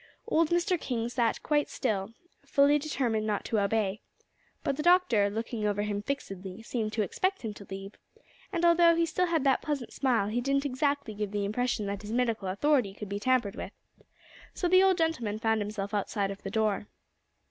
Old Mr. King sat quite still, fully determined not to obey. But the doctor, looking over him fixedly, seemed to expect him to leave; and although he still had that pleasant smile, he didn't exactly give the impression that his medical authority could be tampered with. So the old gentleman found himself outside the door.